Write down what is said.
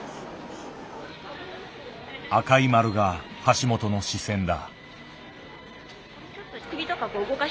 赤い丸が橋本の視線だ。